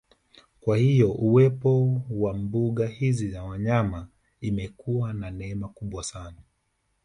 Kwa hiyo uwepo wa mbuga hizi za wanyama imekuwa ni neema kubwa sana